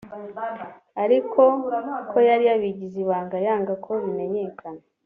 ariko ko yari yabigize ibanga yanga ko bimenyekana